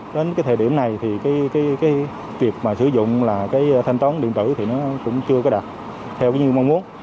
đến cái thời điểm này thì cái việc mà sử dụng là cái thanh toán điện tử thì nó cũng chưa có đạt theo như mong muốn